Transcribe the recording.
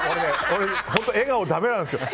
俺、本当笑顔だめなんですよ。